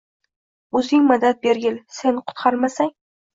O‘zing madad bergil! Sen qutqarmasang –